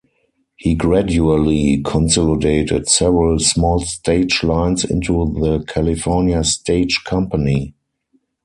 He gradually consolidated several small stage lines into the California Stage Company.